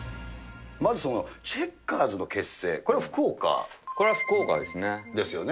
まずチェッカーズの結成、これは福岡ですね。ですよね。